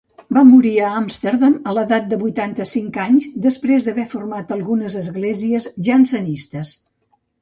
Va morir a Amsterdam a l'edat de vuitanta-cinc anys, després d'haver format algunes esglésies jansenistes.